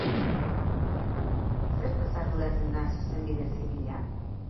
Zertaz arduratzen da Zuzenbide Zibila?